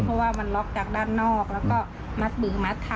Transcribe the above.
เพราะว่ามันล็อกจากด้านนอกแล้วก็มัดมือมัดเท้า